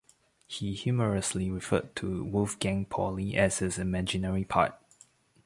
He humorously referred to Wolfgang Pauli as his imaginary part.